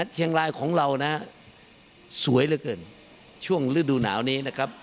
เชียงรายของเรานะสวยเหลือเกินช่วงฤดูหนาวนี้นะครับ